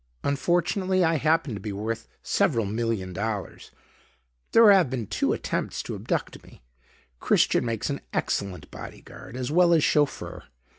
"Unfortunately, I happen to be worth several million dollars. There have been two attempts to abduct me. Christian makes an excellent body guard as well as chauffeur.